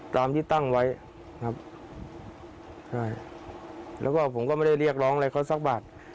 ตามที่ตั้งไว้ครับใช่แล้วก็ผมก็ไม่ได้เรียกร้องอะไรเขาสักบาท